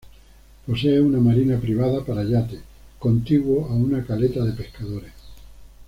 Posee una marina privada para yates contiguo a una caleta de pescadores.